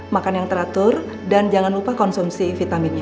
makan yang teratur dan jangan lupa konsumsi vitaminnya